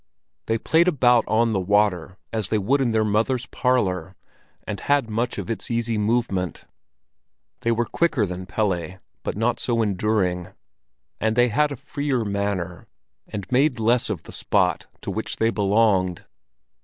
They played about on the water as they would in their mother's parlor, and had much of its easy movement. They were quicker than Pelle, but not so enduring; and they had a freer manner, and made less of the spot to which they belonged.